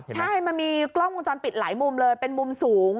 ใช่มันมีกล้องวงจรปิดหลายมุมเลยเป็นมุมสูง